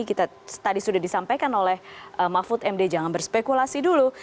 kita tadi sudah disampaikan oleh mahfud md jangan berspekulasi dulu